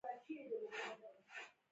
مرګ له ایمان سره خوند کوي.